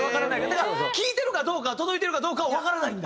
だから聴いてるかどうか届いてるかどうかはわからないんだ？